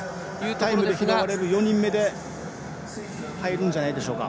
タイムで拾われる４人目で入るんじゃないでしょうか。